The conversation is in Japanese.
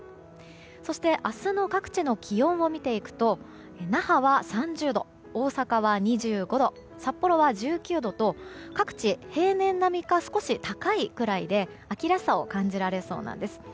そして明日の各地の気温を見ていくと那覇は３０度大阪は２５度札幌は１９度と各地平年並みか少し高いぐらいで秋らしさを感じられそうなんです。